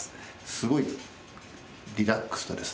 すごいリラックスとですね